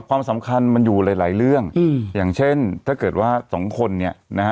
ความสำคัญมันอยู่หลายหลายเรื่องอืมอย่างเช่นถ้าเกิดว่าสองคนเนี่ยนะฮะ